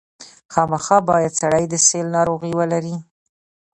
خامخا باید سړی د سِل ناروغي ولري.